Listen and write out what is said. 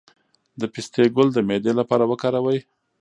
د پسته ګل د معدې لپاره وکاروئ